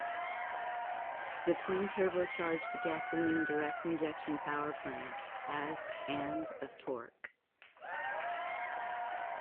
The twin-turbocharged, gasoline direct injection power plant has and of torque.